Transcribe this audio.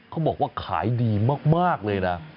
เขาบอกว่าขายดีมากเลยนะ